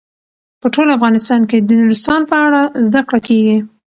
په ټول افغانستان کې د نورستان په اړه زده کړه کېږي.